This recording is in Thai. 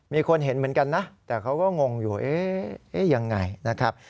มีคนเห็นเหมือนกันนะแต่เขาก็งงอยู่เอ๊ะยังไงนะครับ